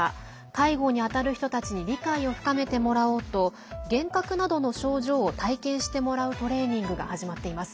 介護に当たる人たちに理解を深めてもらおうと幻覚などの症状を体験してもらうトレーニングが始まっています。